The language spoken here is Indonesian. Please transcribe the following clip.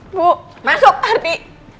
bu masuk arti